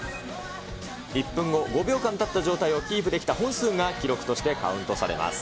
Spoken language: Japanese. １分後、５秒間立った状態をキープできた本数が記録としてカウントされます。